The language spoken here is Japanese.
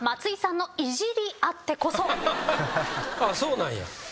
ああそうなんや。